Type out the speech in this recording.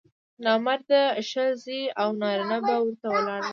نامراده ښځې او نارینه به ورته ولاړ وو.